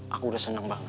aku sudah senang sekali